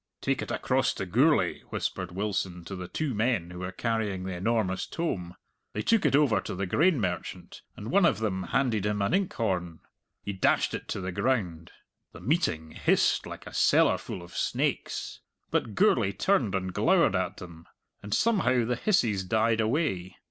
"Take it across to Gourlay," whispered Wilson to the two men who were carrying the enormous tome. They took it over to the grain merchant, and one of them handed him an inkhorn. He dashed it to the ground. The meeting hissed like a cellarful of snakes. But Gourlay turned and glowered at them, and somehow the hisses died away.